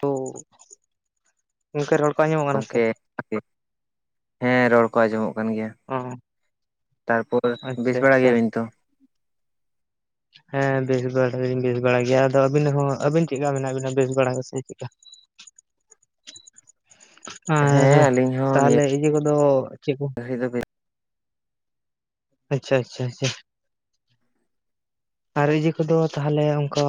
ᱛᱚ ᱜᱚᱢᱠᱮ ᱨᱚᱲ ᱠᱚ ᱟᱸᱡᱚᱢᱚᱜ ᱠᱟᱱᱟ ᱥᱮ ᱜᱚᱝᱠᱮ ᱦᱮᱸ ᱨᱚᱲ ᱠᱚ ᱟᱸᱡᱚᱢᱚᱜ ᱠᱟᱱ ᱜᱮᱭᱟ ᱚ ᱛᱟᱨᱯᱚᱨ ᱵᱮᱥ ᱟᱪᱪᱷᱟ ᱵᱟᱲᱟ ᱟᱪᱪᱷᱟ ᱜᱮᱭᱟᱵᱤᱱ ᱛᱚ [inaudible] ᱦᱮᱸ ᱵᱮᱥ ᱵᱟᱲᱟᱞᱤᱧ ᱵᱮᱥ ᱵᱟᱲᱟ ᱜᱮᱭᱟ ᱟᱫᱚ ᱟᱹᱵᱤᱱ ᱦᱚᱸ ᱟᱹᱵᱤᱱ ᱪᱮᱫ ᱞᱮᱠᱟ ᱢᱮᱱᱟᱜ ᱵᱤᱱᱟ ᱵᱮᱥ ᱵᱟᱲᱟ ᱥᱮ ᱪᱮᱫᱠᱟ ᱟᱨ ᱦᱮᱸ ᱟᱹᱞᱤᱧ ᱦᱚᱸ ᱱᱤᱭᱟᱹ ᱛᱟᱦᱚᱞᱮ ᱤᱭᱟᱹ ᱠᱚᱫᱚ ᱪᱮᱫ ᱠᱚ [unintelligible] ᱟᱪᱪᱷᱟ ᱪᱷᱟ ᱪᱷᱟ ᱟᱨ ᱤᱭᱟᱹ ᱠᱚᱫᱚ ᱛᱟᱦᱚᱞᱮ ᱠᱚ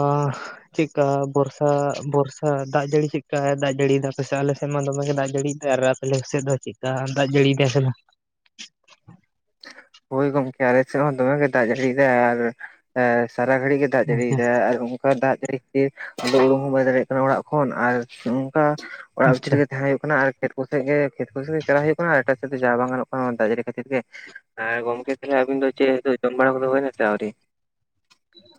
ᱪᱮᱫ ᱠᱟ ᱵᱚᱨᱥᱟ ᱵᱚᱨᱥᱟ ᱫᱟᱜ ᱡᱟᱹᱲᱤ ᱪᱮᱫᱠᱟᱭ ᱫᱟᱜ ᱡᱟᱹᱲᱤᱭᱟ ᱯᱮ ᱟᱞᱮᱥᱮᱫ ᱢᱟ ᱫᱚᱢᱮᱜᱮ ᱫᱟᱜ ᱡᱟᱹᱲᱤᱭᱮᱫᱟᱭ ᱟᱨ ᱨᱟ ᱟᱞᱮ ᱥᱮᱫ ᱫᱚ ᱪᱮᱫᱠᱟ ᱫᱟᱜ ᱡᱟᱹᱲᱤᱭᱮᱫᱟᱭ ᱵᱟᱝ ᱦᱳᱭ ᱜᱚᱝᱠᱮ ᱟᱞᱮ ᱥᱮᱫ ᱦᱚᱸ ᱫᱚᱢᱮ ᱜᱮ ᱫᱟᱜ ᱡᱟᱹᱲᱤ ᱫᱟᱭ ᱟᱨ ᱥᱟᱨᱟ ᱜᱷᱟᱹᱲᱤᱡ ᱜᱮ ᱫᱟᱜ ᱡᱟᱹᱲᱤ ᱫᱟᱭ ᱟᱨ ᱚᱱᱠᱟ ᱫᱟᱜ ᱡᱟᱹᱲᱤ ᱟ ᱩᱰᱩᱠ ᱦᱚᱸ ᱵᱟᱭ ᱫᱟᱲᱮᱭᱟᱜ ᱠᱟᱱᱟ ᱚᱲᱟᱜ ᱠᱷᱚᱱ ᱟᱨ ᱚᱝᱠᱟ ᱚᱲᱟᱜ ᱟᱪᱪᱷᱟ ᱵᱷᱤᱛᱨᱤᱜᱮ ᱛᱟᱦᱮᱸ ᱦᱩᱭᱩᱜ ᱠᱟᱱᱟ ᱟᱨ ᱠᱷᱮᱛ ᱠᱚᱥᱮ ᱜᱮ ᱠᱷᱮᱛ ᱠᱚᱥᱮ ᱜᱮ ᱪᱟᱞᱟᱣ ᱦᱩᱭᱩᱜ ᱠᱟᱱᱟ ᱟᱨ ᱮᱴᱟᱜ ᱥᱮᱫ ᱫᱚ ᱡᱟ ᱵᱟᱝ ᱜᱟᱱᱚᱜ ᱠᱟᱱᱟ ᱚᱱᱟ ᱫᱟᱜ ᱡᱟᱹᱲᱤ ᱠᱷᱟᱹᱛᱤᱨ ᱜᱮ ᱟᱨ ᱜᱚᱢᱠᱮ ᱛᱟᱦᱚᱞᱮ ᱟᱵᱤᱱ ᱫᱚ ᱪᱮᱫ ᱡᱚᱢ ᱵᱟᱲᱟ ᱠᱚᱫᱚ ᱦᱩᱭᱱᱟᱥᱮ ᱟᱹᱣᱨᱤ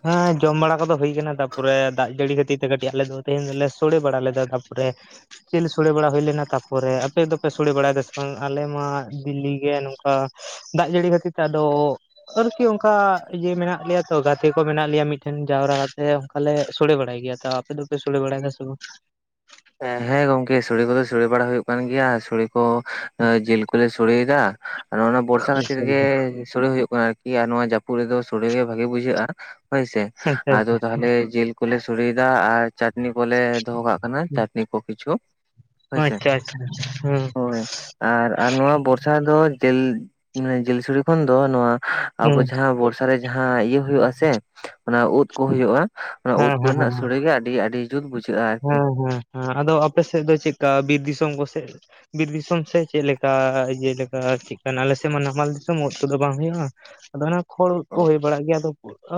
ᱦᱮᱸ ᱡᱚᱢ ᱵᱟᱲᱟ ᱠᱚᱫᱚ ᱦᱩᱭ ᱠᱟᱱᱟ ᱛᱟᱯᱚᱨᱮ ᱫᱟᱜ ᱡᱟᱹᱲᱤ ᱠᱷᱟᱹᱛᱤᱨ ᱛᱮ ᱠᱟᱹᱴᱤᱡ ᱟᱞᱮ ᱫᱚ ᱛᱮᱦᱮᱧ ᱫᱚᱞᱮ ᱥᱳᱲᱮ ᱵᱟᱲᱟ ᱞᱮᱫᱟ ᱛᱟᱯᱚᱨᱮ ᱡᱮᱞ ᱥᱚᱲᱮ ᱵᱟᱲᱟ ᱦᱩᱭ ᱞᱮᱱᱟ ᱛᱟᱯᱚᱨᱮ ᱟᱯᱮ ᱫᱚᱯᱮ ᱥᱚᱲᱮ ᱵᱟᱲᱟᱭ ᱫᱟ ᱥᱮ ᱵᱟᱝᱟ ᱟᱞᱮ ᱢᱟ ᱫᱤᱞᱞᱤ ᱜᱮ ᱱᱚᱝᱠᱟ ᱫᱟᱜ ᱡᱟᱹᱲᱤ ᱠᱷᱟᱹᱛᱤᱨ ᱛᱮ ᱟᱫᱚ ᱟᱨᱠᱤ ᱚᱱᱠᱟ ᱤᱭᱟᱹ ᱢᱮᱱᱟᱜ ᱞᱮᱭᱟ ᱛᱚ ᱜᱟᱛᱮ ᱠᱚ ᱢᱮᱱᱟᱜ ᱞᱮᱭᱟ ᱢᱤᱫᱴᱮᱱ ᱡᱟᱣᱨᱟ ᱠᱟᱛᱮ ᱚᱱᱠᱟᱞ ᱞᱮ ᱥᱚᱲᱮ ᱵᱟᱲᱟᱭ ᱜᱮᱭᱟ ᱛᱚ ᱟᱯᱮ ᱫᱚᱯᱮ ᱥᱚᱲᱮ ᱵᱟᱲᱟᱭ ᱥᱮ ᱵᱟᱝ ᱦᱮᱸ ᱜᱚᱝᱠᱮ ᱥᱚᱲᱮ ᱠᱚᱫᱚ ᱥᱚᱲᱮ ᱵᱟᱲᱟ ᱦᱩᱭᱩᱜ ᱠᱟᱱ ᱜᱮᱭᱟ ᱥᱚᱲᱮ ᱡᱤᱞ ᱠᱚᱞᱮ ᱥᱚᱲᱮ ᱮᱫᱟ ᱟᱨ ᱚᱱᱟ ᱵᱚᱨᱥᱟ ᱠᱷᱟᱹᱛᱤᱨ ᱜᱮ ᱥᱚᱲᱮ ᱦᱩᱭᱩᱜ ᱠᱟᱱᱟ ᱟᱨ ᱜᱮᱭᱟ ᱱᱚᱣᱟ ᱡᱟᱹᱯᱩᱫ ᱨᱮᱫᱚ ᱥᱚᱲᱮ ᱜᱮ ᱵᱷᱟᱜᱮ ᱵᱩᱡᱷᱟᱹᱜᱼᱟ ᱦᱳᱭᱥᱮ ᱟᱫᱚ ᱛᱟᱦᱚᱞᱮ ᱡᱤᱞ ᱠᱚᱞᱮ ᱥᱚᱲᱮᱫᱟ ᱟᱨ ᱪᱟᱴᱱᱤ ᱠᱚᱞᱮ ᱫᱚᱦᱚ ᱠᱟᱜ ᱠᱟᱱᱟ [inaudible] ᱠᱤᱪᱷᱩ ᱦᱳᱭ ᱥᱮ ᱟᱪᱪᱷᱟ ᱟᱪᱪᱷᱟ ᱟᱪᱪᱷᱟ ᱟᱪᱪᱷᱟ ᱟᱪᱪᱷᱟ ᱟᱪᱪᱷᱟ ᱦᱩᱸ ᱦᱳᱭ ᱟᱨ ᱟᱨ ᱱᱚᱣᱟ ᱵᱚᱨᱥᱟ ᱨᱮ ᱫᱚ ᱡᱮᱞ ᱡᱮᱞ ᱥᱚᱲᱮ ᱠᱷᱚᱱ ᱫᱚ ᱱᱚᱣᱟ ᱟᱵᱚ ᱦᱩᱸ ᱡᱟᱦᱟᱸ ᱵᱚᱨᱥᱟ ᱨᱮ ᱡᱟᱦᱟᱸ ᱤᱭᱟᱹ ᱦᱩᱭᱩᱜ ᱟᱥᱮ ᱚᱱᱟ ᱩᱫ ᱠᱚ ᱦᱩᱭᱩᱜᱼᱟ ᱚᱱᱟ ᱩᱫ ᱦᱮᱸ ᱦᱮᱸ ᱦᱮᱸ ᱠᱚᱨᱮᱱᱟᱜ ᱥᱚᱲᱮ ᱜᱮ ᱟᱹᱰᱤ ᱟᱹᱰᱤ ᱡᱩᱛ ᱵᱩᱡᱷᱟᱹᱜᱼᱟ᱾ ᱟᱨᱠᱤ ᱦᱮᱸ ᱦᱮᱸ ᱦᱮᱸ ᱟᱫᱚ ᱟᱯᱮ ᱥᱮᱫ ᱫᱚ ᱪᱮᱫᱠᱟ ᱵᱤᱨ ᱫᱤᱥᱚᱢ ᱠᱚᱥᱮᱫ ᱵᱤᱨ ᱫᱤᱥᱚᱢ ᱥᱮ ᱪᱮᱫ ᱞᱮᱠᱟ ᱡᱮᱞᱮᱠᱟ ᱪᱮᱫ ᱠᱟᱱᱟ ᱟᱞᱮ ᱥᱮᱫ ᱢᱟ ᱱᱟᱢᱟᱞ ᱫᱤᱥᱚᱢ ᱳᱫ ᱠᱚᱫᱚ ᱵᱟᱝ ᱦᱩᱭᱩᱜᱼᱟ᱾ ᱟᱫᱚ ᱚᱱᱟ ᱠᱷᱚᱲ ᱩᱫ ᱚ ᱠᱚ ᱦᱩᱭ ᱵᱟᱲᱟᱜ ᱜᱮᱭᱟ ᱟᱫᱚ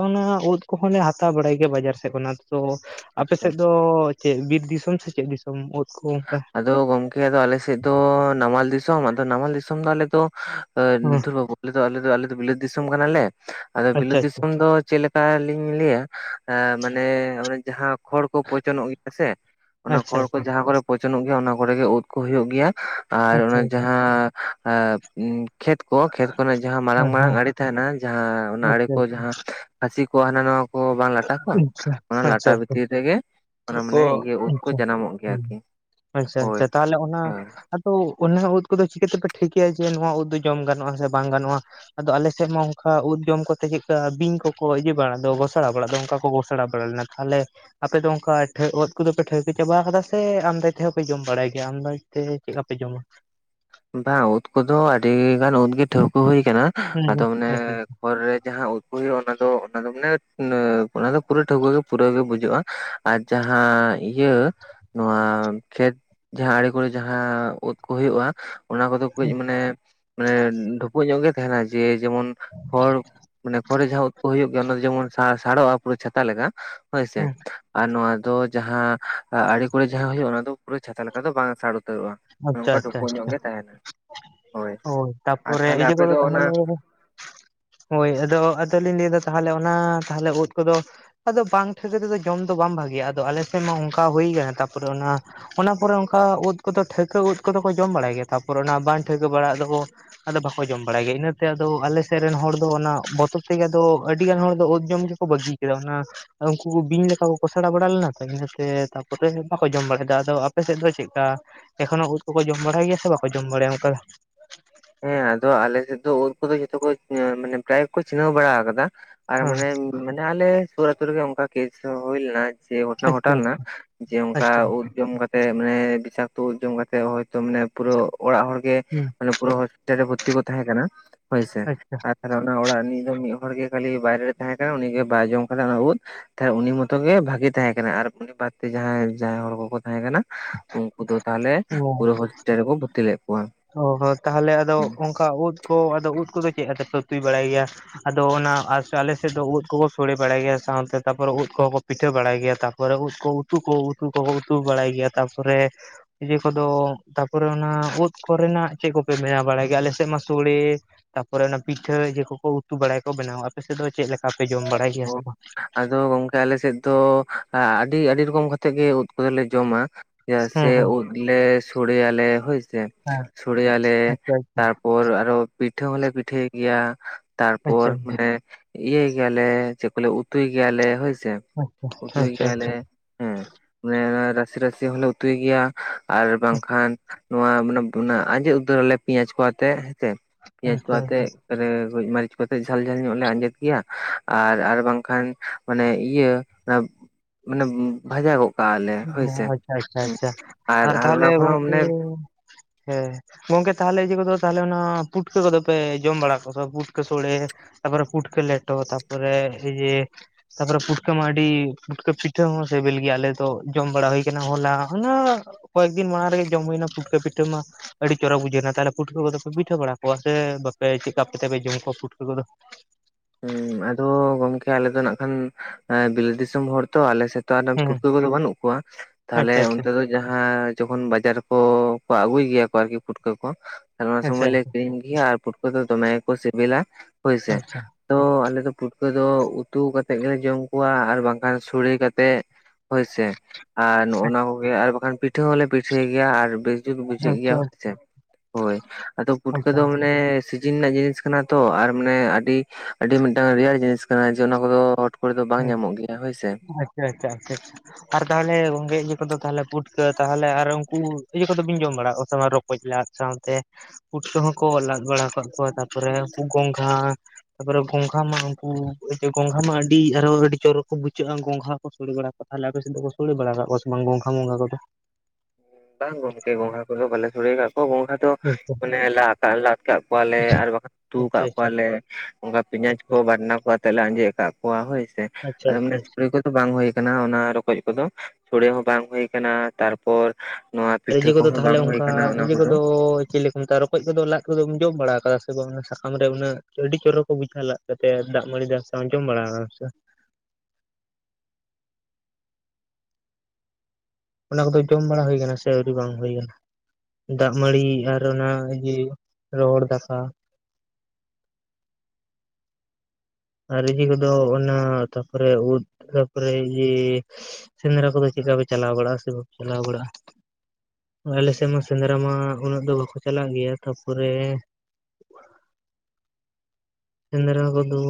ᱚᱱᱟ ᱩᱫ ᱠᱚᱦᱚᱸᱞᱮ ᱦᱟᱛᱟᱣ ᱵᱟᱲᱟᱭ ᱜᱮᱭᱟ ᱵᱟᱡᱟᱨ ᱥᱮᱫ ᱠᱷᱚᱱᱟᱜ᱾ ᱛᱚ ᱟᱪᱪᱷᱟ ᱟᱯᱮᱥᱮᱫ ᱟᱪᱪᱷᱟ ᱫᱚ ᱪᱮᱫ ᱵᱤᱨ ᱫᱤᱥᱚᱢ ᱥᱮ ᱪᱮᱫ ᱫᱤᱥᱚᱢ ᱳᱫ ᱠᱚ ᱚᱱᱠᱟ? ᱟᱫᱚ ᱜᱚᱝᱠᱮ ᱟᱞᱮ ᱥᱮᱫ ᱫᱚ ᱱᱟᱢᱟᱞ ᱫᱤᱥᱚᱢ ᱟᱫᱚ ᱱᱟᱢᱟᱞ ᱫᱤᱥᱚᱢ ᱫᱚ ᱟᱞᱮ ᱫᱚ ᱦᱮᱸ ᱱᱩᱫᱷᱩᱨ ᱵᱟᱹᱵᱩ ᱟᱞᱮᱫᱚ ᱟᱞᱮᱫᱚ ᱟᱞᱮᱫᱚ ᱵᱤᱞᱟᱹᱛ ᱫᱤᱥᱚᱢ ᱠᱟᱱᱟᱞᱮ ᱟᱫᱚ ᱵᱤᱞᱟᱹᱛ ᱟᱪᱪᱷᱟ ᱟᱪᱪᱷᱟ ᱫᱤᱥᱚᱢ ᱫᱚ ᱪᱮᱫᱞᱮᱠ ᱚᱱᱠᱟ ᱞᱤᱧ ᱞᱟᱹᱭᱟ ᱟᱢ ᱢᱟᱱᱮ ᱚᱱᱮ ᱡᱟᱦᱟᱸ ᱠᱷᱚᱲ ᱠᱚ ᱯᱚᱪᱚᱱᱚᱜ ᱜᱮᱭᱟ ᱥᱮ ᱚᱱᱟ ᱟᱪᱪᱷᱟ ᱠᱷᱚᱲ ᱠᱚ ᱡᱟᱦᱟᱸ ᱠᱚᱨᱮ ᱯᱚᱪᱚᱱᱚᱜ ᱜᱮᱭᱟ ᱚᱱᱟ ᱠᱚᱨᱮ ᱩᱫ ᱠᱚ ᱦᱩᱭᱩᱜ ᱜᱮᱭᱟ ᱟᱨ ᱟᱪᱪᱷᱟ ᱟᱪᱪᱷᱟ ᱚᱱᱟ ᱡᱟᱦᱟᱸ ᱟᱨ ᱠᱷᱮᱛ ᱠᱚ ᱠᱷᱮᱛ ᱠᱚᱨᱮᱱᱟᱜ ᱡᱟᱦᱟᱸ ᱦᱮᱸ ᱢᱟᱨᱟᱝ ᱢᱟᱨᱟᱝ ᱦᱮᱸ ᱟᱲᱮ ᱛᱟᱦᱮᱱᱟ ᱡᱟᱦᱟᱸ ᱚᱱᱟ ᱟᱲᱮ ᱟᱪᱪᱷᱟ ᱠᱚ ᱡᱟᱦᱟᱸ ᱠᱦᱟᱹᱥᱤ ᱠᱚ ᱦᱟᱱᱟ ᱱᱟᱣ ᱠᱚ ᱵᱟᱝ ᱞᱟᱴᱟ ᱠᱚᱣᱟ ᱚᱱᱟ ᱟᱪᱪᱷᱟ ᱟᱪᱪᱷᱟ ᱞᱟᱴᱟ ᱟᱪᱪᱷᱟ ᱵᱷᱤᱛᱤᱨ ᱨᱮᱜᱮ ᱚᱱᱟ ᱚ ᱢᱟᱱᱮ ᱤᱭᱟᱹ ᱩᱫ ᱠᱚ ᱟᱪᱪᱷᱟ ᱡᱟᱱᱟᱢᱚᱜ ᱜᱮᱭᱟ ᱦᱩᱸ ᱠᱤ ᱟᱪᱪᱷᱟ ᱪᱟᱛᱟᱞᱮ ᱚᱱᱟ ᱟᱫᱚ ᱚᱱᱟ ᱩᱫ ᱠᱚᱫᱚ ᱪᱤᱠᱟᱹᱛᱮᱯᱮ ᱴᱷᱤᱠᱟᱹᱭᱟ ᱡᱮ ᱱᱚᱣᱟ ᱩᱫ ᱫᱚ ᱡᱚᱢ ᱜᱟᱱᱚᱜᱼᱟ ᱥᱮ ᱵᱟᱝ ᱜᱟᱱᱚᱜᱼᱟ? ᱟᱫᱚ ᱟᱞᱮᱥᱮᱫ ᱢᱟ ᱚᱱᱠᱟ ᱩᱫ ᱡᱚᱢ ᱠᱚᱛᱮ ᱟᱫᱚ ᱟᱞᱮᱥᱮᱫᱢᱟ ᱚᱱᱠᱟ ᱩᱫ ᱡᱚᱢ ᱠᱚᱛᱮ ᱜᱮᱠᱟ ᱵᱤᱧ ᱠᱚᱠᱚ ᱤᱭᱟᱹ ᱵᱟᱲᱟᱜ ᱫᱚ ᱜᱳᱥᱲᱟ ᱵᱟᱲᱟᱜ ᱫᱚ ᱚᱱᱠᱟ ᱠᱚ ᱜᱚᱥᱟᱲᱟ ᱵᱟᱲᱟ᱾ ᱞᱮᱱᱟ ᱟᱞᱮ ᱟᱯᱮ ᱫᱚ ᱚᱱᱠᱟ ᱡᱷᱟ ᱳᱫ ᱠᱚᱫᱚ ᱯᱮ ᱴᱷᱟᱹᱣᱠᱟᱹ ᱪᱟᱵᱟ ᱠᱟᱫᱟ ᱥᱮ ᱟᱢᱫᱟᱡ ᱛᱮᱦᱚᱸ ᱯᱮ ᱡᱚᱢ ᱵᱟᱲᱟᱭ ᱜᱮᱭᱟ ᱟᱢᱫᱟᱡ ᱛᱮ ᱪᱮᱫ ᱞᱮᱠᱟ ᱯᱮ ᱡᱚᱢᱟ? ᱵᱟᱝ ᱳᱫ ᱠᱚᱫᱚ ᱟᱹᱰᱤ ᱜᱟᱱ ᱳᱫᱜᱮ ᱴᱷᱟᱹᱣᱠᱟᱹ ᱦᱩᱭ ᱟᱠᱟᱱᱟ᱾ ᱦᱩᱸ ᱟᱫᱚ ᱦᱩᱸ ᱢᱟᱱᱮ ᱟᱪᱪᱷᱟ ᱠᱷᱚᱨ ᱨᱮ ᱡᱟᱦᱟᱸ ᱩᱫ ᱠᱚ ᱦᱩᱭᱩᱜ ᱚᱱᱟ ᱫᱚ ᱚᱱᱟ ᱫᱚ ᱢᱟᱱᱮ ᱚᱱᱟ ᱫᱚ ᱯᱩᱨᱟᱹ ᱴᱷᱟᱹᱣᱠᱟᱹ ᱜᱮ ᱯᱩᱨᱟᱹ ᱜᱮ ᱵᱩᱡᱩᱜᱼᱟ ᱟᱨ ᱡᱟᱦᱟᱸ ᱤᱭᱟᱹ ᱱᱚᱣᱟ ᱠᱷᱮᱛ ᱡᱟᱦᱟᱸ ᱟᱲᱮ ᱠᱚᱨᱮ ᱡᱟᱦᱟᱸ ᱳᱫ ᱠᱚ ᱦᱩᱭᱩᱜᱼᱟ ᱚᱱᱟ ᱠᱚᱫᱚ ᱟᱪᱪᱷᱟ ᱠᱟᱹᱡ ᱦᱩᱸ ᱢᱟᱱᱮ ᱢᱟᱱᱮ ᱰᱷᱳᱠᱳᱜ ᱧᱚᱜ ᱜᱮ ᱛᱟᱦᱮᱱᱟ ᱡᱮ ᱡᱮᱢᱚᱱ ᱦᱚᱲ ᱢᱟᱱᱮ ᱠᱚᱨᱮ ᱡᱟᱦᱟᱸ ᱳᱫ ᱠᱚ ᱦᱩᱭᱩᱜ ᱜᱮᱭᱟ ᱚᱱᱟ ᱡᱮᱢᱚᱱ ᱥᱟᱲ ᱥᱟᱲᱚᱜᱼᱟ ᱯᱩᱨᱟᱹ ᱪᱷᱟᱛᱟ ᱞᱮᱠᱟ ᱦᱳᱭᱥᱮ ᱦᱩᱸ ᱟᱨ ᱱᱚᱣᱟᱸ ᱫᱚ ᱡᱟᱦᱟᱸ ᱟᱲᱮ ᱠᱚᱨᱮ ᱡᱟᱦᱟᱸ ᱦᱳᱭᱳᱜᱼᱟ ᱚᱱᱟ ᱫᱚ ᱯᱩᱨᱟᱹ ᱪᱷᱟᱛᱟ ᱞᱮᱠᱟ ᱫᱚ ᱵᱟᱝ ᱥᱟᱨ ᱩᱛᱟᱹᱨᱚᱜᱼᱟ᱾ ᱟᱪᱪᱷᱟ ᱱᱚᱝᱠᱟ ᱟᱪᱪᱷᱟ ᱰᱷᱩᱯᱩᱜ ᱧᱚᱜ ᱟᱪᱪᱷᱟ ᱜᱮ ᱛᱟᱦᱮᱱᱟ ᱦᱳᱭ ᱟᱨ ᱳᱻᱛᱟᱯᱚᱨᱮ ᱛᱟᱦᱚᱞᱮ ᱤᱡᱟᱹ ᱟᱯᱮ ᱠᱚᱫᱚ ᱫᱚ ᱚᱱᱟ ᱛᱟᱦᱚᱞᱮ ᱦᱳᱭ ᱟᱫᱚ ᱟᱫᱚᱞᱤᱧ ᱞᱟᱹᱭᱫᱟ ᱛᱟᱦᱚᱞᱮ ᱚᱱᱟ ᱛᱟᱦᱚᱞᱮ ᱳᱫ ᱠᱚᱫᱚ ᱟᱫᱚ ᱵᱟᱝ ᱴᱷᱠᱟᱹ ᱛᱮᱫᱚ ᱡᱚᱢ ᱫᱚ ᱵᱟᱝ ᱵᱷᱟᱜᱤᱭᱟ ᱟᱫᱚ ᱟᱞᱮᱥᱮᱫ ᱢᱟ ᱚᱱᱠᱟ ᱦᱩᱭ ᱟᱠᱟᱱᱟ ᱛᱯᱚᱨᱮ ᱚᱱᱟ ᱚᱱᱟ ᱯᱚᱨᱮ ᱚᱱᱠᱟ ᱳᱫ ᱠᱚᱫᱚ ᱴᱷᱟᱹᱣᱠᱟᱹ ᱳᱫ ᱠᱚᱫᱚ ᱠᱚ ᱡᱚᱢ ᱵᱟᱲᱟᱭ ᱜᱮᱭᱟ ᱛᱟᱨᱯᱚᱨᱮ ᱚᱱᱟ ᱵᱟᱝ ᱴᱷᱟᱹᱣᱠᱟᱹ ᱵᱟᱲᱟ ᱫᱚᱠᱚ ᱟᱫᱚ ᱵᱟᱠᱚ ᱡᱚᱢ ᱵᱟᱲᱟᱭ ᱜᱮᱭᱟ ᱤᱱᱟᱹᱛᱮ ᱟᱫᱚ ᱟᱞᱮ ᱥᱮᱫ ᱨᱮᱱ ᱦᱚᱲ ᱫᱚ ᱚᱱᱟ ᱵᱚᱛᱚᱨ ᱛᱮᱜᱮ ᱟᱫᱚ ᱟᱹᱰᱤ ᱜᱟᱱ ᱦᱚᱲ ᱫᱚ ᱳᱫ ᱡᱚᱢ ᱵᱟᱹᱜᱤ ᱠᱮᱫᱟ ᱚᱱᱟ ᱩᱱᱠᱩ ᱠᱚ ᱵᱤᱧ ᱞᱮᱠᱟ ᱠᱚ ᱜᱚᱥᱲᱟ ᱵᱟᱲᱟ ᱞᱮᱱᱟ ᱛᱚ ᱤᱱᱟᱹᱛᱮ ᱛᱟᱯᱚᱨᱮ ᱵᱟᱠᱚ ᱡᱚᱢ ᱵᱟᱲᱟᱭᱮᱫᱟ ᱟᱫᱚ? ᱟᱯᱮ ᱥᱮᱫ ᱫᱚ ᱪᱮᱫᱠᱟ ᱮᱠᱷᱚᱱᱳ ᱩᱫ ᱠᱚᱠᱚ ᱡᱚᱢ ᱵᱟᱲᱟᱭ ᱜᱮᱭᱟ ᱥᱮ ᱵᱟᱠᱚ ᱡᱚᱢ ᱵᱟᱲᱟᱭᱟ ᱚᱱᱠᱟ ᱫᱚ? ᱦᱮᱸ ᱟᱫᱚ ᱟᱞᱮᱥᱮᱫ ᱫᱚ ᱳᱫ ᱠᱚᱫᱚ ᱡᱚᱛᱚ ᱠᱚ ᱢᱟᱱᱮ ᱯᱨᱟᱭᱠᱚ ᱪᱤᱱᱦᱟᱹᱣ ᱵᱟᱲᱟ ᱟᱠᱟᱫᱟ ᱟᱨ ᱦᱮᱸ ᱢᱟᱱᱮ ᱢᱟᱱᱮ ᱟᱞᱮ ᱥᱩᱨ ᱟᱹᱛᱩ ᱨᱮᱜᱮ ᱚᱱᱠᱟ ᱠᱮᱥ ᱫᱚ ᱦᱩᱭ ᱞᱮᱱᱟ᱾ ᱥᱮ ᱜᱷᱚᱴᱚ ᱜᱷᱚᱴᱟᱣ ᱟᱪᱪᱷᱟ ᱞᱮᱱᱟ ᱡᱮ ᱚᱱᱠᱟ ᱟᱪᱪᱷᱟ ᱩᱫ ᱡᱚᱢ ᱠᱟᱛᱮ ᱢᱟᱱᱮ ᱵᱤᱥᱟᱠᱛᱚ ᱡᱚᱢ ᱠᱟᱛᱮᱫ ᱦᱚᱭᱛᱳ ᱢᱟᱱᱮ ᱯᱩᱨᱟᱹ ᱚᱲᱟᱜ ᱦᱚᱲ ᱜᱮ ᱦᱮᱸ ᱯᱩᱨᱟᱹ ᱦᱚᱥᱯᱤᱴᱟᱞ ᱨᱮ ᱵᱷᱚᱨᱛᱤ ᱠᱚ ᱛᱟᱦᱮᱸ ᱠᱟᱱᱟ ᱦᱳᱭᱥᱮ ᱟᱪᱪᱷᱟ ᱟᱨ ᱟᱨ ᱚᱱᱟ ᱚᱲᱟᱜ ᱨᱤᱱᱤᱡ ᱫᱚ ᱢᱤᱫ ᱦᱚᱲᱜᱮ ᱠᱷᱟᱹᱞᱤ ᱵᱟᱦᱨᱮ ᱨᱮ ᱛᱟᱦᱮᱸ ᱠᱟᱱᱟ ᱩᱱᱤᱜᱮ ᱵᱟᱭ ᱡᱚᱢ ᱠᱟᱫᱟ ᱚᱱᱟ ᱳᱫ ᱛᱷᱟ ᱩᱱᱤ ᱢᱚᱛᱚ ᱜᱮ ᱵᱷᱟᱹᱜᱤ ᱛᱟᱦᱮᱸ ᱠᱟᱱᱟ ᱟᱨ ᱩᱱᱤ ᱵᱟᱫᱛᱮ ᱡᱟᱦᱟᱸᱭ ᱡᱟᱦᱟᱸᱭ ᱦᱚᱲ ᱠᱚᱠᱚ ᱛᱟᱦᱮᱸ ᱠᱟᱱᱟ ᱩᱱᱠᱩ ᱫᱚ ᱛᱟᱦᱞᱮ ᱯᱩᱨᱟᱹ ᱦᱚᱥᱯᱤᱴᱟᱞ ᱨᱮᱠᱚ ᱵᱷᱩᱨᱛᱤ ᱞᱮᱫ ᱠᱚᱣᱟ᱾ ᱦᱚ ᱦᱚ ᱛᱟᱦᱞᱮ ᱟᱫᱚ ᱦᱩᱸ ᱚᱱᱠᱟ ᱩᱫ ᱠᱚ ᱟᱫᱚ ᱩᱫ ᱠᱚᱫᱚ ᱪᱮ ᱠᱟᱛᱮ ᱩᱛᱩ ᱵᱟᱲᱟᱭ ᱜᱮᱭᱟ ᱟᱫᱚ ᱚᱱᱟ ᱟᱞᱮ ᱥᱮᱫ ᱫᱚ ᱩᱫ ᱠᱚᱠᱚ ᱥᱚᱲᱮ ᱵᱟᱲᱟᱭ ᱜᱮᱭᱟ ᱥᱟᱶᱛᱮ ᱛᱟᱨᱯᱚᱨᱮ ᱩᱫ ᱠᱚᱦᱚᱸ ᱠᱚ ᱯᱤᱴᱷᱟᱹ ᱵᱟᱲᱟᱭ ᱜᱮᱭᱟ ᱛᱟᱨᱯᱚᱨᱮ ᱩᱫ ᱠᱚ ᱩᱛᱩ ᱠᱚ ᱩᱛᱩ ᱠᱚ ᱩᱛᱩ ᱵᱟᱲᱟᱭ ᱜᱮᱭᱟ ᱛᱟᱨᱯᱚᱨᱮ ᱤᱡᱮ ᱠᱚᱫᱚ ᱛᱟᱨᱯᱚᱨᱮ ᱚᱱᱟ ᱩᱫ ᱠᱚᱨᱮᱱᱟᱜ ᱪᱮᱫ ᱠᱚᱯᱮ ᱵᱮᱱᱟᱣ ᱵᱟᱲᱟᱭ ᱜᱮᱭᱟ ᱟᱞᱮ ᱥᱮᱫ ᱢᱟ ᱥᱳᱲᱮ᱾ ᱛᱟᱯᱚᱨᱮ ᱚᱱᱟ ᱯᱤᱴᱷᱟᱹ ᱡᱮᱹ ᱠᱚᱠᱚ ᱩᱛᱩ ᱵᱟᱲᱟᱭᱟᱠᱚ ᱵᱮᱱᱟᱣᱟ ᱟᱯᱮ ᱥᱮᱫ ᱫᱚ ᱪᱮᱫ ᱞᱮᱠᱟ? ᱯᱮ ᱡᱚᱢ ᱵᱟᱲᱟᱭ ᱜᱮᱭᱟ ᱚ ᱥᱮ ᱵᱟᱝ? ᱟᱫᱚ ᱜᱚᱝᱠᱮ ᱟᱞᱮ ᱥᱮᱫ ᱫᱚ ᱟᱸ ᱟᱹᱰᱤ ᱟᱹᱰᱤ ᱨᱚᱠᱚᱢ ᱠᱟᱛᱮᱫ ᱜᱮ ᱩᱫ ᱠᱚᱫᱚᱞᱮ ᱡᱚᱢᱟ ᱪᱮᱫᱟᱜ ᱦᱩᱸ ᱥᱮ ᱦᱩᱸ ᱩᱫ ᱞᱮ ᱥᱳᱲᱮᱭᱟᱞᱮ ᱟᱞᱮ ᱦᱳᱭ ᱥᱮ ᱦᱮᱸ ᱥᱳᱲᱮᱭᱟᱞᱮ ᱟᱞᱮ ᱟᱪᱪᱷᱟ ᱟᱪᱪᱷᱟ ᱛᱟᱨᱯᱚᱨ ᱟᱨᱚ ᱯᱤᱴᱷᱟᱹ ᱦᱚᱸᱞᱮ ᱯᱤᱴᱷᱟᱹᱭ ᱜᱮᱭᱟ ᱛᱟᱨᱯᱚᱨ ᱟᱪᱪᱷᱟ ᱢᱟᱱᱮ ᱤᱭᱟᱹ ᱜᱮᱭᱟᱞᱮ ᱪᱮᱫ ᱠᱚᱞᱮ ᱩᱛᱩᱭ ᱜᱮᱭᱟᱞᱮ ᱦᱳᱭᱥᱮ ᱟᱪᱪᱷᱟ ᱩᱛᱩᱭ ᱟᱪᱪᱷᱟ ᱟᱪᱪᱷᱟ ᱟᱪᱪᱷᱟ ᱜᱮᱭᱟᱞᱮ ᱦᱮᱸ ᱢᱮ ᱨᱟᱥᱮ ᱨᱟᱥᱮ ᱦᱚᱸᱞᱮ ᱩᱛᱩᱭ ᱜᱮᱭᱟ ᱟᱨ ᱵᱟᱝᱠᱷᱟᱱ ᱱᱚᱣᱟ ᱢᱟᱱᱮ ᱟᱸᱡᱮᱫ ᱩᱛᱟᱹᱨ ᱨᱮᱞᱮ ᱯᱮᱸᱭᱟᱡᱽ ᱠᱚ ᱟᱛᱮ ᱦᱮᱸᱪᱮ ᱯᱤᱭᱟᱡᱽ ᱟᱪᱪᱷᱟ ᱠᱚᱣᱟᱛᱮᱜ ᱛᱟᱦᱞᱮ ᱢᱟᱹᱨᱤᱪ ᱠᱚ ᱠᱟᱛᱮᱜ ᱡᱷᱟᱞ ᱡᱷᱟᱞ ᱧᱚᱜ ᱞᱮ ᱟᱸᱡᱮᱫ ᱜᱮᱭᱟ ᱟᱨ ᱟᱨ ᱵᱟᱝᱠᱷᱟᱱ ᱢᱟᱱᱮ ᱤᱭᱟᱹ ᱢᱟᱱᱮ ᱵᱷᱟᱡᱟ ᱠᱚᱜ ᱚ ᱟᱪᱪᱷᱟ ᱟᱪᱪᱷᱟ ᱟᱪᱪᱷᱟ ᱟᱨ ᱛᱟᱦᱞᱮ ᱚᱱᱟ ᱠᱷᱚᱱ ᱦᱚᱸ ᱜᱚᱝᱠᱮ ᱢᱟᱱᱮ ᱦᱮᱸ ᱜᱚᱝᱠᱮ ᱛᱟᱦᱚᱞᱮ ᱤᱭᱟᱹ ᱠᱚᱫᱚ ᱛᱟᱦᱚᱞᱮ ᱚᱱᱟ ᱯᱩᱴᱠᱟᱹ ᱠᱚᱫᱚ ᱯᱮ ᱡᱚᱢ ᱵᱟᱲᱟ ᱠᱚ ᱯᱩᱴᱠᱟᱹ ᱥᱚᱲᱮ ᱛᱟᱨᱯᱚᱨᱮ ᱯᱩᱴᱠᱟᱹ ᱞᱮᱴᱚ ᱛᱟᱨᱯᱚᱨᱮ ᱤᱭᱟᱹ ᱛᱟᱨᱯᱚᱨ ᱯᱷᱩᱴᱠᱟᱹ ᱢᱟ ᱟᱹᱰᱤ ᱯᱷᱩᱴᱠᱟᱹ ᱯᱤᱴᱷᱟᱹ ᱦᱚᱸ ᱥᱮᱵᱮᱞ ᱟᱞᱮ ᱛᱚ ᱡᱚᱢ ᱵᱟᱲᱟ ᱦᱩᱭ ᱟᱠᱟᱱᱟ ᱦᱚᱞᱟ ᱚᱱᱟ ᱠᱚᱭᱮᱠ ᱫᱤᱱ ᱢᱟᱲᱟᱝ ᱨᱮᱜᱮ ᱡᱚᱢ ᱦᱩᱭᱮᱱᱟ ᱯᱷᱩᱴᱠᱟᱹ ᱯᱤᱴᱷᱟᱹ ᱢᱟ ᱟᱹᱰᱤ ᱪᱚᱨᱚᱠ ᱵᱩᱡᱷᱟᱹᱣᱮᱱᱟ ᱛᱟᱦᱞᱮ ᱯᱩᱴᱠᱟᱹ ᱫᱚᱯᱮ ᱯᱤᱴᱷᱟᱹ ᱵᱟᱲᱟ ᱠᱚᱣᱟ ᱥᱮ ᱵᱟᱯᱮ ᱪᱮᱠᱟ ᱠᱟᱛᱮᱯᱮ ᱡᱚᱢ ᱠᱚᱣᱟ ᱯᱩᱴᱠᱟᱹ ᱠᱚᱫᱚ ᱦᱮᱸ ᱟᱫᱚ ᱜᱚᱝᱠᱮ ᱟᱞᱮ ᱫᱚ ᱱᱟᱜ ᱠᱷᱟᱱ ᱵᱤᱞᱟᱹᱛ ᱫᱤᱥᱚᱢ ᱦᱚᱲ ᱛᱚ ᱟᱞᱮ ᱥᱮᱫ ᱛᱟᱦᱚᱞᱮ ᱦᱮᱸ ᱯᱩᱴᱠᱟᱹ ᱠᱚᱫᱚ ᱵᱟᱹᱱᱩᱜ ᱠᱚᱣᱟ ᱛᱟᱦᱚᱞᱮ ᱟᱪᱪᱷᱟ ᱟᱪᱪᱷᱟ ᱚᱱᱛᱮ ᱫᱚ ᱡᱟᱦᱟᱸ ᱡᱚᱠᱷᱚᱱ ᱵᱟᱡᱟᱨ ᱨᱮᱠᱚ ᱠᱚ ᱟᱹᱜᱩᱭ ᱜᱮᱭᱟ ᱠᱚ ᱟᱨᱠᱤ ᱯᱩᱴᱠᱟᱹ ᱠᱚ ᱚᱱᱟ ᱥᱚᱢᱚᱭ ᱟᱪᱪᱷᱟ ᱞᱮ ᱛᱦᱮᱱ [unintelligible] ᱜᱮᱭᱟ ᱟᱨ ᱯᱩᱴᱠᱟᱹ ᱫᱚ ᱫᱚᱢᱮ ᱜᱮᱠᱚ ᱥᱮᱵᱮᱞᱟ ᱦᱳᱭ ᱥᱮ ᱟᱪᱪᱷᱟ ᱫᱚ ᱟᱞᱮ ᱫᱚ ᱯᱩᱴᱠᱟᱹ ᱫᱚ ᱩᱛᱩ ᱠᱟᱛᱼᱼ ᱛᱮᱫ ᱜᱮᱞᱮ ᱡᱚᱢ ᱠᱚᱣᱟ ᱟᱨ ᱵᱟᱝᱠᱷᱟᱱ ᱥᱳᱲᱮ ᱠᱟᱛᱮᱫ ᱦᱳᱭᱥᱮ ᱟᱨ ᱱᱚᱜᱼᱚ ᱱᱚᱣᱟ ᱠᱚᱜᱮ ᱟᱨ ᱵᱟᱠᱷᱟᱱ ᱯᱤᱴᱷᱟᱹ ᱦᱚᱸᱞᱮ ᱯᱤᱴᱷᱟᱹᱭ ᱜᱮᱭᱟ ᱟᱨ ᱵᱮᱥᱼᱼ [unintelligible] ᱵᱩᱡᱷᱟᱹᱜ ᱟᱪᱪᱷᱟ ᱜᱮᱭᱟ ᱦᱳᱭ ᱟᱫᱚ ᱯᱩᱴᱠᱟᱹ ᱟᱪᱪᱷᱟ ᱫᱚ ᱢᱟᱱᱮ ᱥᱤᱡᱤᱱ ᱨᱮᱱᱟᱜ ᱡᱤᱱᱤᱥ ᱠᱟᱱᱟ ᱛᱚ ᱟᱨ ᱢᱟᱱᱮ ᱟᱹᱰᱤ ᱟᱹᱰᱤ ᱢᱤᱫᱴᱟᱝ ᱨᱮᱭᱟᱲ ᱡᱤᱱᱤᱥ ᱠᱟᱱᱟ ᱡᱚ ᱚᱱᱟ ᱠᱚᱫᱚ ᱦᱚᱲ ᱫᱚ ᱵᱟᱝ ᱦᱮᱸ ᱧᱟᱢᱚᱜ ᱜᱮᱭᱟ ᱦᱳᱭ ᱥᱮ [unintelligible] ᱟᱪᱪᱷᱟ ᱟᱪᱷᱟᱷᱟ [unintelligible] ᱟᱨ ᱛᱟᱦᱚᱞᱮ ᱜᱚᱝᱜᱮ ᱤᱭᱟᱹ ᱠᱚᱫᱚ ᱛᱟᱦᱚᱞᱮ ᱯᱩᱴᱠᱟᱹ ᱛᱟᱦᱚᱞᱮ ᱟᱨ ᱩᱱᱠᱩ ᱤᱭᱟᱹ ᱠᱚᱫᱚ ᱵᱤᱱ ᱡᱚᱢ ᱵᱟᱲᱟ ᱠᱚᱣᱟ ᱥᱮ ᱵᱟᱝ ᱨᱚᱼᱼ ᱠᱚᱡ ᱞᱟᱫ ᱥᱟᱶᱛᱮ ᱯᱩᱴᱠᱟᱹ ᱦᱚᱸᱠᱚ ᱞᱟᱫ ᱵᱟᱲᱟᱣ ᱟᱠᱟᱫ ᱠᱚᱣᱟ ᱛᱟᱨᱯᱚᱨᱮ ᱩᱱᱠᱩ ᱜᱚᱝᱜᱷᱟ ᱛᱟᱨᱯᱚᱨᱮ ᱜᱚᱝᱜᱷᱟ ᱢᱟ ᱩᱱᱠᱩ ᱜᱚᱝᱜᱷᱟ ᱟᱼᱼ ᱫᱤ ᱟᱹᱰᱤ ᱟᱨᱚ ᱟᱹᱰᱤ ᱪᱚᱨᱚᱠᱠᱚ ᱵᱩᱡᱷᱟᱹᱜᱼᱟ ᱜᱚᱝᱜᱷᱟ ᱠᱚ ᱥᱚᱲᱮ ᱵᱟᱲᱟ ᱠᱚᱣᱟ ᱛᱟᱦᱮ ᱟᱯᱮ ᱥᱮᱫ ᱫᱚ ᱠᱚ ᱥᱚᱲᱮ ᱵᱟᱲᱟ ᱠᱟᱜ ᱠᱚᱣᱟ ᱥᱮ ᱵᱟᱝ ᱜᱚᱝᱜᱷᱟ ᱢᱚᱸᱜᱷᱟ ᱠᱚᱫᱚ ᱵᱟᱝ ᱜᱚᱢᱠᱮ ᱜᱚᱝᱜᱷᱟ ᱠᱚ ᱫᱚ ᱵᱟᱞᱮ ᱥᱚᱲᱮᱭᱟᱠᱟᱫ ᱠᱚᱣᱟ ᱜᱚᱝᱜᱷᱟ ᱛᱚ ᱟᱪᱪᱷᱟ ᱢᱟᱱᱮ ᱞᱟᱜ ᱠᱟᱜ ᱞᱟᱫ ᱠᱟᱜ ᱠᱚᱣᱟᱞᱮ ᱟᱨ ᱵᱟᱝᱠᱷᱟᱱ ᱛᱩ ᱟᱠᱟᱫ ᱟᱪᱪᱷᱟ ᱟᱪᱪᱷᱟ ᱠᱚᱣᱟᱞᱮ ᱚᱱᱠᱟ ᱯᱤᱸᱭᱟᱡ ᱠᱚ ᱟᱪᱪᱷᱟ ᱵᱟᱨᱱᱟ ᱠᱚ ᱞᱮ ᱟᱸᱡᱮᱫ ᱟᱠᱟᱫ ᱠᱚᱣᱟ ᱦᱳᱭ ᱥᱮ ᱟᱪᱪᱷᱟ ᱟᱫᱚ ᱢᱟᱱᱮ ᱟᱪᱪᱷᱟ [unintelligible] ᱵᱟᱝ ᱦᱩᱭ ᱟᱠᱟᱱᱟ ᱚᱱᱟ ᱨᱚᱠᱚᱡ ᱠᱚᱫᱚ ᱥᱚᱲᱮ ᱦᱚᱸ ᱵᱟᱝ ᱦᱩᱭ ᱟᱠᱟᱱᱟ ᱛᱟᱨᱯᱚᱨ ᱱᱚᱣᱟ ᱯᱤᱴᱷᱟᱹ ᱟᱹᱣᱡᱟ ᱠᱚᱫᱚ ᱠᱚᱦᱚᱸ ᱛᱟᱦᱚᱞᱮ ᱵᱟᱝ ᱦᱩᱭ ᱚᱱᱠᱟ ᱟᱠᱟᱱᱟ ᱚᱱᱟ ᱤᱭᱟᱹ ᱠᱚᱫᱚ ᱪᱤᱞᱤ ᱨᱚᱠᱚᱡ ᱠᱚᱫᱚ ᱞᱟᱫ ᱠᱚᱫᱚᱢ ᱡᱚᱢ ᱵᱟᱲᱟ ᱟᱠᱟᱫᱟ ᱥᱮ ᱵᱟᱝ ᱚᱱᱟ ᱥᱟᱠᱟᱢ ᱨᱮ ᱩᱱᱟᱹᱜ ᱟᱹᱰᱤ ᱪᱚᱨᱚᱠ ᱠᱚ ᱵᱩᱡᱷᱟᱹᱣ ᱞᱟᱫ ᱛᱮ ᱫᱟᱜ ᱢᱟᱺᱲᱤ ᱫᱟᱠᱟᱢ ᱡᱚᱢ ᱵᱟᱲᱟᱣ ᱥᱮ ᱚᱱᱟ ᱠᱚᱫᱚ ᱡᱚᱢ ᱵᱟᱲᱟ ᱦᱩᱭ ᱟᱠᱟᱱᱟ ᱥᱮ ᱟᱹᱣᱨᱤ ᱵᱟᱝ ᱦᱩᱭ ᱟᱠᱟᱱᱟ ᱫᱟᱜ ᱢᱟᱺᱲᱤ ᱟᱨ ᱚᱱᱟ ᱤᱭᱟᱹ ᱨᱚᱦᱚᱲ ᱫᱟᱠᱟ ᱟᱨᱤᱡᱤ ᱠᱚᱫᱚ ᱚᱱᱟ ᱛᱟᱨᱯᱚᱨᱮ ᱩᱫ ᱛᱟᱨᱯᱚᱨᱮ [unintelligible] ᱮ ᱥᱮᱸᱫᱽᱨᱟ ᱠᱚᱫᱚ ᱪᱮᱜᱠᱟ ᱯᱮ ᱪᱟᱞᱟᱣ ᱵᱟᱲᱟᱜᱻᱟ ᱥᱮ ᱵᱟᱠᱚ ᱪᱟᱞᱟᱣ ᱵᱟᱲᱟᱜᱼᱟ ᱟᱞᱮᱥᱮᱫ ᱢᱟ ᱥᱮᱸᱫᱽᱨᱟ ᱢᱟ ᱩᱱᱟᱹᱜ ᱫᱚ ᱵᱟᱠᱩ ᱪᱟᱞᱟᱜ ᱜᱮᱭᱟ ᱛᱟᱨᱯᱚᱨᱮ [inaudible] ᱟ ᱫᱮᱸᱫᱽᱨᱟ ᱠᱚᱫᱚ